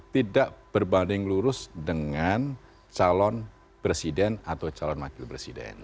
tidak berbanding lurus dengan calon presiden atau calon wakil presiden